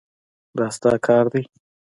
دا ستا کار دی.